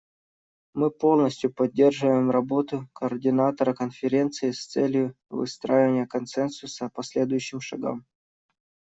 Мы полностью поддерживаем работу координатора конференции с целью выстраивания консенсуса по следующим шагам.